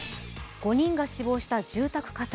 ５人が死亡した住宅火災。